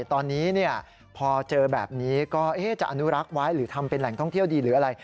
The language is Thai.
ตอนนี้พอเจอแบบนี้ก็จะอนุรักษ์ไว้หรือทำเป็นแหล่งท่องเที่ยวดีหรืออะไร